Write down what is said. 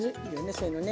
そういうのね。